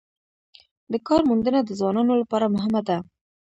د کار موندنه د ځوانانو لپاره مهمه ده